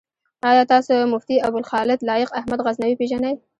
آيا تاسو مفتي ابوخالد لائق احمد غزنوي پيژنئ؟